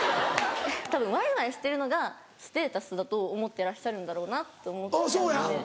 たぶんワイワイしてるのがステータスだと思ってらっしゃるんだろうなと思っちゃうので。